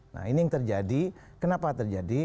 nah ini yang terjadi kenapa terjadi